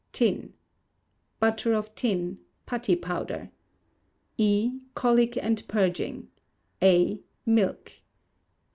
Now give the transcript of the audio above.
(Butter of tin; putty powder.) E. Colic and purging. A. Milk.